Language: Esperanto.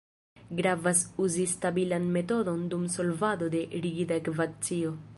Gravas uzi stabilan metodon dum solvado de rigida ekvacio.